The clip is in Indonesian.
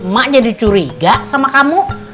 mak jadi curiga sama kamu